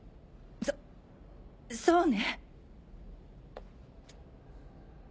そそうね。